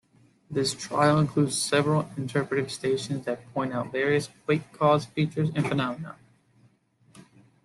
This trail includes several interpretive stations that point out various quake-caused features and phenomenon.